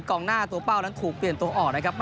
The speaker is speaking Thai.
งหน้าตัวเป้านั้นถูกเปลี่ยนตัวออกนะครับ